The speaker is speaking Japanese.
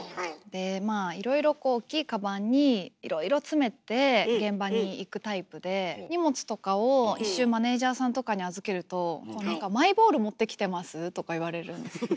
でまあいろいろ大きいカバンにいろいろ詰めて現場に行くタイプで荷物とかを一瞬マネージャーさんとかに預けるととか言われるんです。